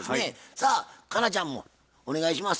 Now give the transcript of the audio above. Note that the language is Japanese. さあ佳奈ちゃんもお願いします。